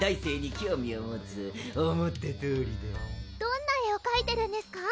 どんな絵をかいてるんですか？